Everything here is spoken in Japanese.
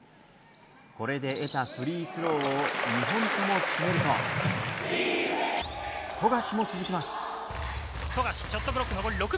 これで得たフリースローを２本とも決めると富樫も続きます。